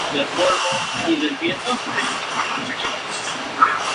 Ya que se declaró que ""no impresionó ni al distribuidor ni al público"".